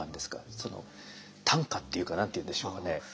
その単価っていうか何て言うんでしょうね。